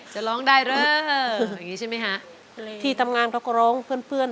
จะร้องได้เด้ออย่างนี้ใช่ไหมฮะที่ทำงานเขาก็ร้องเพื่อนเพื่อน